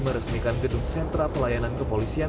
meresmikan gedung sentra pelayanan kepolisian